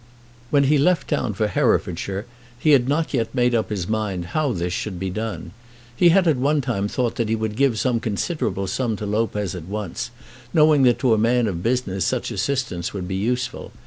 When he left town for Herefordshire he had not yet made up his mind how this should be done. He had at one time thought that he would give some considerable sum to Lopez at once, knowing that to a man in business such assistance would be useful.